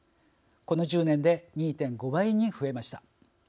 この１０年で２．５倍に増えました。